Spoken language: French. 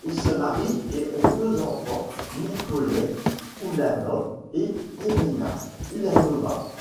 Ils se marient et ont deux enfants, Nikolai Oulanov et Irina Ulanova.